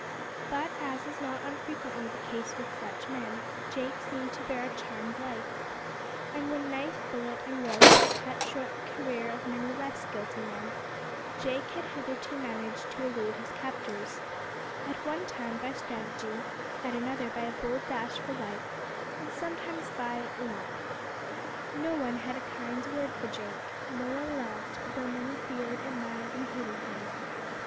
But, as is not unfrequently the case with such men, Jake seemed to bear a charmed life, and when knife, bullet, and rope, cut short the career of many less guilty men, Jake had hitherto managed to elude his captors at one time by strategy, at another by a bold dash for life, and sometimes by "luck." No one had a kind word for Jake, no one loved, though many feared, admired, and hated him.